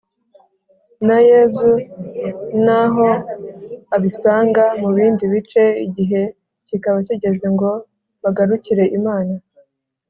na yezu, naho abisanga mu bindi bice, igihe kikaba kigeze ngo bagarukire imana.